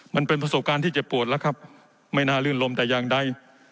มันเป็นประสบการณ์ที่เจ็บปวดแล้วครับไม่น่าลื่นลมแต่อย่างใด